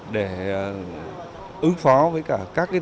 để ứng phó với các tình huống